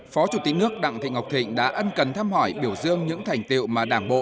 phó chủ tịch nước đặng thị ngọc thịnh đã ân cần thăm hỏi biểu dương những thành tiệu mà đảng bộ